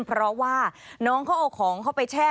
เพราะว่าน้องเขาเอาของเข้าไปแช่